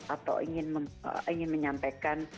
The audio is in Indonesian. atau ingin menyampaikan